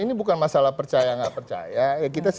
ini bukan masalah percaya nggak percaya